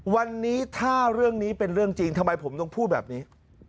วันนี้ถ้าเรื่องนี้เป็นเรื่องจริงทำไมผมต้องพูดแบบนี้